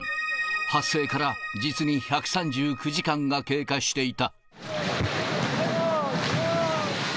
発生から実に１３９時間が経過していた。